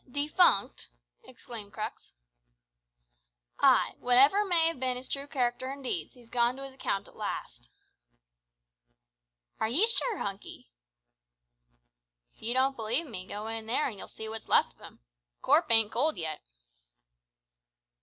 defunct?" exclaimed Crux. "Ay. Whatever may have bin his true character an' deeds, he's gone to his account at last." "Are ye sure, Hunky?" "If ye don't believe me, go in there an' you'll see what's left of him. The corp ain't cold yet."